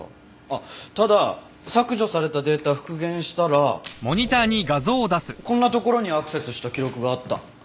あっただ削除されたデータ復元したらこんなところにアクセスした記録があった。